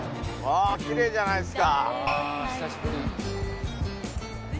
うわぁきれいじゃないですか。